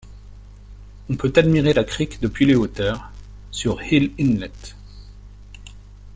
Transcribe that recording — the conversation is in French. On peut admirer la crique depuis les hauteurs, sur Hill Inlet.